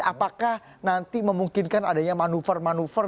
apakah nanti memungkinkan adanya manuver manuver